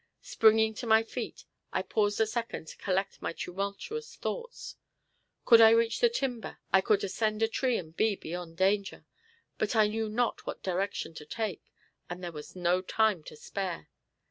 Springing to my feet, I paused a second to collect my tumultuous thoughts. Could I reach the timber, I could ascend a tree and be beyond danger; but I knew not what direction to take, and there was no time to spare.